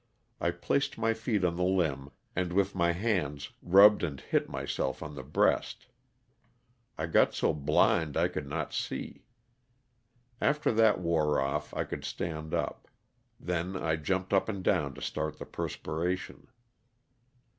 I placed my feet on the limb and with my hands rubbed and hit myself on tho breast. I got so blind I could not see. After that wore off I could stand up; then I jumped up and down to start the perspiration.